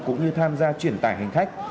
cũng như tham gia chuyển tải hành khách